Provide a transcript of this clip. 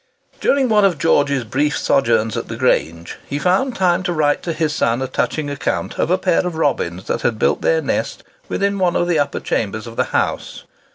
During one of George's brief sojourns at the Grange, he found time to write to his son a touching account of a pair of robins that had built their nest within one of the upper chambers of the house.